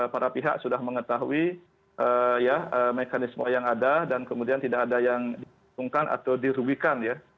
para pihak sudah mengetahui mekanisme yang ada dan kemudian tidak ada yang dihitungkan atau dirugikan ya